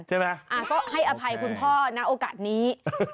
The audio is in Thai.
ใช่ไหมก็ให้อภัยคุณพ่อนะโอกาสนี้